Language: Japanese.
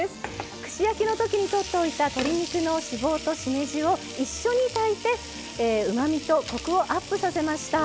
串焼きの時に取っておいた鶏肉の脂肪としめじを一緒に炊いてうまみとコクをアップさせました。